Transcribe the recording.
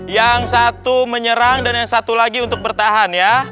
yang satu menyerang dan yang satu lagi untuk bertahan ya